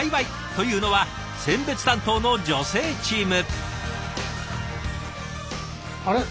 というのは選別担当の女性チーム。